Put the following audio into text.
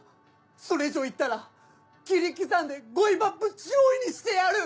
それ以上言ったら切り刻んでゴイ・バップ・チュオイにしてやる！